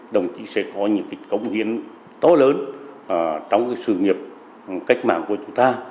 đồng chí sẽ có những việc cống hiến to lớn trong cái sự nghiệp cách mạng của chúng ta